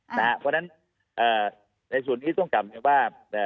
เพราะฉะนั้นในส่วนนี้ต้องกลับเรียนว่า